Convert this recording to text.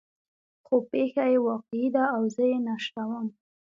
خو پېښه يې واقعي ده او زه یې نشروم.